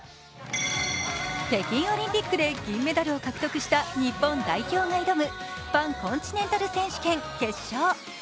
北京オリンピックで金メダルを獲得した日本代表が挑むパンコンチネンタル選手権決勝。